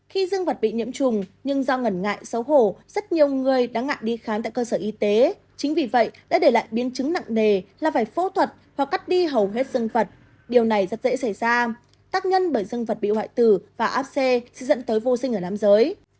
khi dương vật bị nhiễm trùng nhưng do ngẩn ngại xấu hổ rất nhiều người đã ngại đi khám tại cơ sở y tế chính vì vậy đã để lại biến chứng nặng nề là phải phẫu thuật hoặc cắt đi hầu hết sinh vật điều này rất dễ xảy ra tác nhân bởi dân vật bị hoại tử và áp xe dẫn tới vô sinh ở nam giới